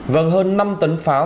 vâng hơn năm tấn pháo